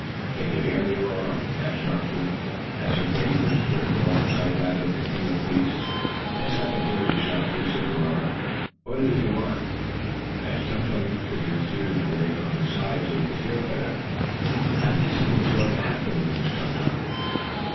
"Can you hear me, Roarer?" asked Sharp Tooth, as her cage was pushed alongside that of the King of Beasts. "Yes, I can hear you, Sharp Tooth," said Roarer. "What is it you want to say?" At this Tum Tum lifted wide his ears away from his sides, so he could hear better. "I think something is going to happen," mused Tum Tum.